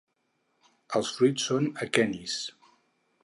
Els fruits són aquenis.